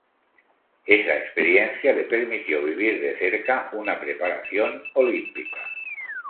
Esa experiencia le permitió vivir de cerca una preparación Olímpica.